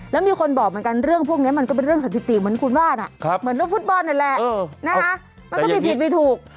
แล้วมีคนบอกเหมือนกันเรื่องพวกนี้มันก็เป็นเรื่องสถิติเหมือนคุณว่านะเหมือนเรื่องฟุตบอลนั่นแหละนะคะมันก็มีผิดมีถูก